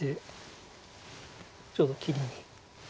ちょうど切りに。